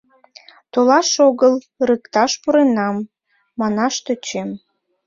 — Толаш огыл, ырыкташ пуренам, — манаш тӧчем.